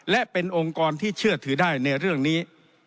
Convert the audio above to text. และเป็นองค์กรที่เชื่อถือได้ในเรื่องนี้